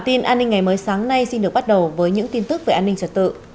tin an ninh ngày mới sáng nay xin được bắt đầu với những tin tức về an ninh trật tự